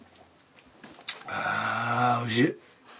あおいしい！